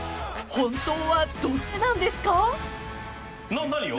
［本当はどっちなんですか？］何を？